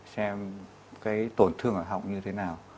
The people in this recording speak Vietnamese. xem cái tổn thương ở họng như thế nào